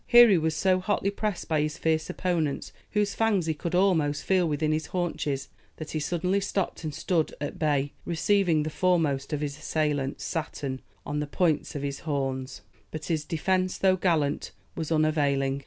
Here he was so hotly pressed by his fierce opponents, whose fangs he could almost feel within his haunches, that he suddenly stopped and stood at bay, receiving the foremost of his assailants, Saturn, on the points of his horns. But his defence, though gallant, was unavailing.